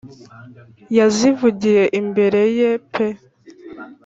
yazivugiye imbere ye pe